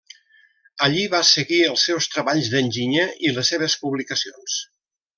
Allí va seguir els seus treballs d'enginyer i les seves publicacions.